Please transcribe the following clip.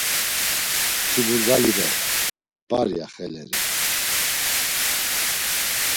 Ti burgali bere, P̌ar, ya xeleri.